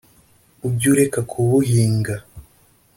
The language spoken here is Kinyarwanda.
ujye ureka kubuhinga .